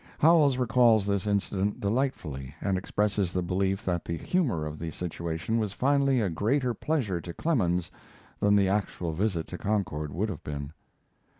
Howells recalls this incident delightfully, and expresses the belief that the humor of the situation was finally a greater pleasure to Clemens than the actual visit to Concord would have been.